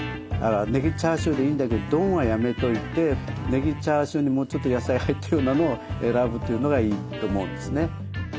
ねぎチャーシューでいいんだけど丼はやめといてねぎチャーシューにもうちょっと野菜入ってるようなのを選ぶというのがいいと思うんですね。